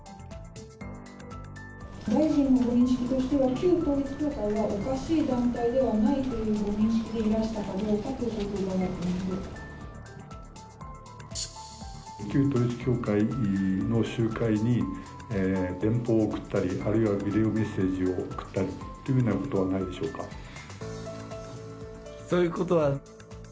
大臣のご認識としては、旧統一教会はおかしい団体ではないというご認識でいらしたかどう旧統一教会の集会に、電報を送ったり、あるいはビデオメッセージを送ったりというふうなことはないでしそういうことは。